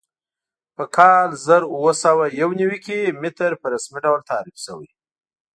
په کال زر اووه سوه یو نوي کې متر په رسمي ډول تعریف شوی.